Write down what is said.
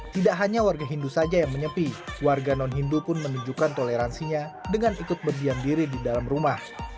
tidak hanya warga hindu saja yang menyepi warga non hindu pun menunjukkan toleransinya dengan ikut berdiam diri di dalam rumah